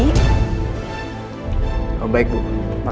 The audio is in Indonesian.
baik makasih ya iya pak